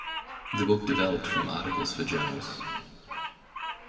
The book developed from articles for journals.